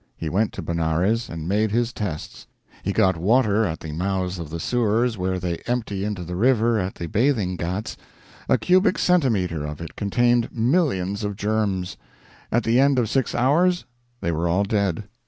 He went to Benares and made his tests. He got water at the mouths of the sewers where they empty into the river at the bathing ghats; a cubic centimetre of it contained millions of germs; at the end of six hours they were all dead.